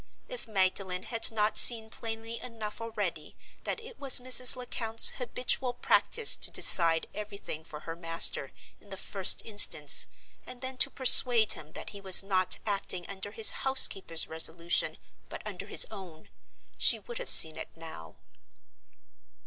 If Magdalen had not seen plainly enough already that it was Mrs. Lecount's habitual practice to decide everything for her master in the first instance, and then to persuade him that he was not acting under his housekeeper's resolution but under his own, she would have seen it now.